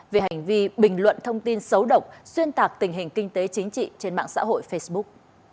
về hành vi bình luận thông tin xấu độc xuyên tạc tình hình kinh tế chính trị trên mạng xã hội facebook